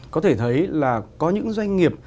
có thể thấy là có những doanh nghiệp